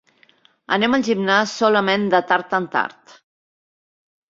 Anem al gimnàs solament de tard en tard.